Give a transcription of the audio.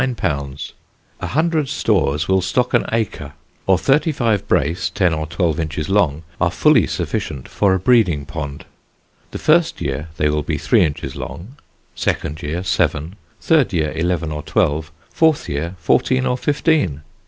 _ A hundred stores will stock an acre; or 35 brace, 10 or 12 inches long, are fully sufficient for a breeding pond. The first year they will be three inches long; second year, seven; third year, eleven or twelve; fourth year, fourteen or fifteen.